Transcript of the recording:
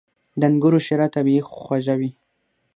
• د انګورو شیره طبیعي خوږه وي.